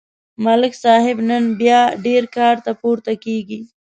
ملک صاحب نن بیا ډېر کارته پورته کېږي.